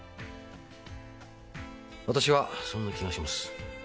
私はそんな気がします。